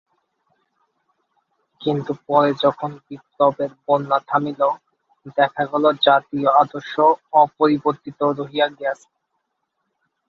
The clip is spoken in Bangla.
কিন্তু পরে যখন বিপ্লবের বন্যা থামিল, দেখা গেল জাতীয় আদর্শ অপরিবর্তিত রহিয়া গিয়াছে।